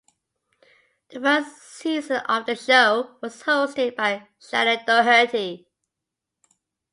The first season of the show was hosted by Shannen Doherty.